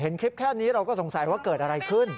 เห็นคลิปแค่นี้เราก็สงสัยว่าเกิดอะไรขึ้น